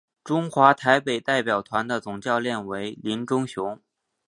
中华台北代表团的总教练为林忠雄。